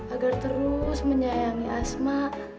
agar terus menyayangi asma